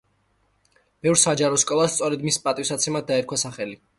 ბევრ საჯარო სკოლას სწორედ მის პატივსაცემად დაერქვა სახელი.